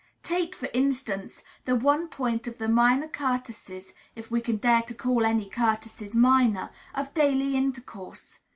Take, for instance, the one point of the minor courtesies (if we can dare to call any courtesies minor) of daily intercourse.